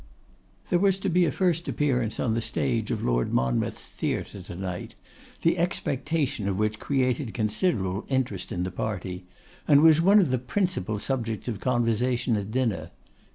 There was to be a first appearance on the stage of Lord Monmouth's theatre to night, the expectation of which created considerable interest in the party, and was one of the principal subjects of conversation at dinner.